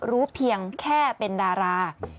เพียงแค่เป็นดารา